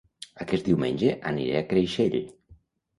Aquest diumenge aniré a Creixell